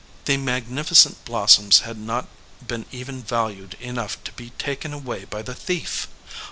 The magnificent blossoms had not been even valued enough to be taken away by the thief.